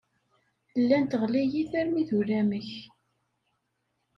Llant ɣlayit armi d ulamek.